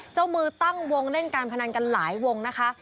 เจ้ามือตั้งวงเล่นการพนันกันหลายวงนะคะ